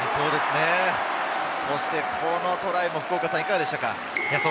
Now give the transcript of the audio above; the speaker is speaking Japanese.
そしてこのトライもいかがでしたか？